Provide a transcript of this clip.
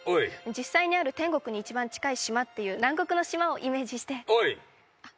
実際にある天国に一番近い島っていう南国の島をイメージしておいあっ